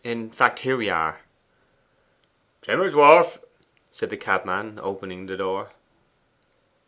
In fact, here we are.' 'Trimmer's Wharf,' said the cabman, opening the door.